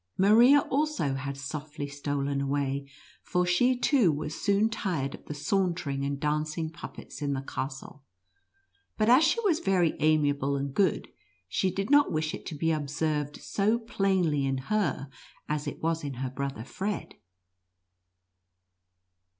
Maria also had softly stolen away, for she too was soon tired of the sauntering and dancing puppets in the castle ; but as she was very amiable and good, she did not wish it to be observed so plainly in her as it was hi her brother Fred.